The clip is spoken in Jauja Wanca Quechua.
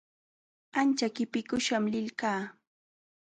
Ancha qipikuśham lilqaa.